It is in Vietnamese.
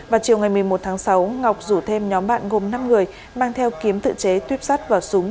vào chiều ngày một mươi một tháng sáu ngọc rủ thêm nhóm bạn gồm năm người mang theo kiếm tự chế tuyếp sắt vào súng